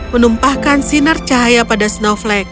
menumpahkan sinar cahaya pada snowflake